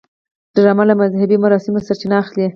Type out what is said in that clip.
ډرامه له مذهبي مراسمو سرچینه اخلي